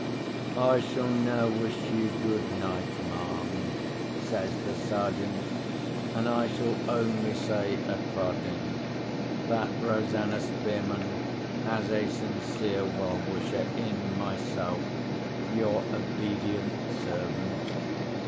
"I shall now wish you good night, ma'am," says the Sergeant. "And I shall only say, at parting, that Rosanna Spearman has a sincere well wisher in myself, your obedient servant.